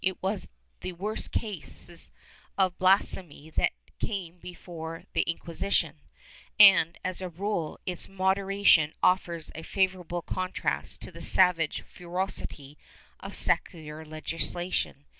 334 BLASPHEMY [Book VIII Presumably it was the worst cases of blasphemy that came before the Inquisition and, as a rule, its moderation offers a favorable contrast to the savage ferocity of secular legislation.